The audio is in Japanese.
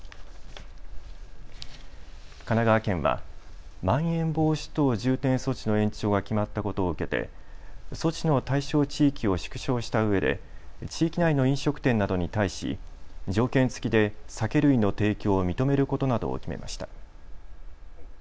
神奈川県はまん延防止等重点措置の延長が決まったことを受けて措置の対象地域を縮小したうえで地域内の飲食店などに対し条件付きで酒類の提供を認めることなどを決めました。